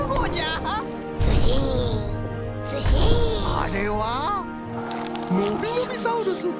あれはのびのびサウルス。